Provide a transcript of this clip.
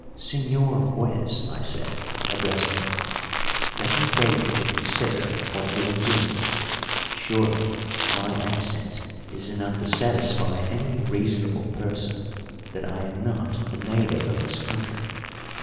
"Señor Juez," I said, addressing him, "let me beg you to consider what you are doing. Surely my accent is enough to satisfy any reasonable person that I am not a native of this country.